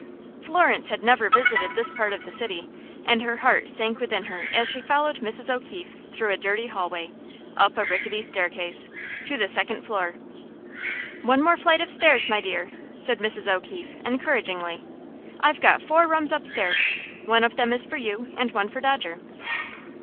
Florence had never visited this part of the city, and her heart sank within her as she followed Mrs. O'Keefe through a dirty hallway, up a rickety staircase, to the second floor. "One more flight of stairs, my dear," said Mrs. O'Keefe, encouragingly. "I've got four rooms upstairs; one of them is for you, and one for Dodger."